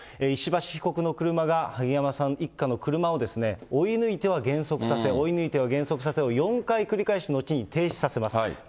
石橋被告の車が、萩山さん一家の車を追い抜いては減速させ、追い抜いては減速させを４回繰り返した後に停止させます。